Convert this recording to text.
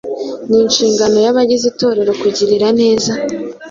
Ni ishingano y’abagize Itorero kugirira neza